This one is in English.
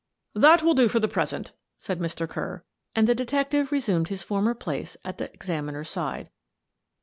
" That will do for the present," said Mr. Kerr, and the detective resumed his former place at the examiner's side.